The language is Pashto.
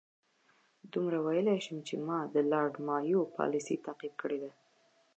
دومره ویلای شم چې ما د لارډ مایو پالیسي تعقیب کړې ده.